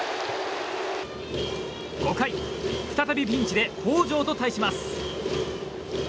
５階、再びピンチで北條と対します。